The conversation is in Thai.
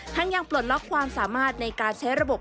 ยังปลดล็อกความสามารถในการใช้ระบบ